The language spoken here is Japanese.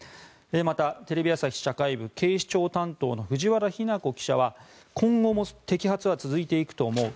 また、テレビ朝日社会部警視庁担当の藤原妃奈子記者は今後も摘発は続いていくと思う。